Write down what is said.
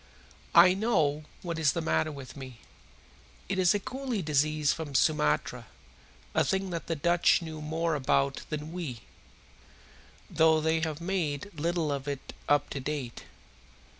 "I know what is the matter with me. It is a coolie disease from Sumatra a thing that the Dutch know more about than we, though they have made little of it up to date.